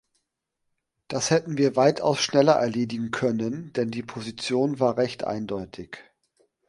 Das hätten wir weitaus schneller erledigen können, denn die Position war recht eindeutig.